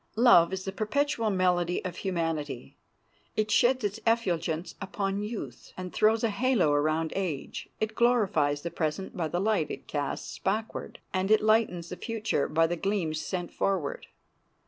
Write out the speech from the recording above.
Love is the perpetual melody of humanity. It sheds its effulgence upon youth, and throws a halo around age. It glorifies the present by the light it casts backward, and it lightens the future by the gleams sent forward.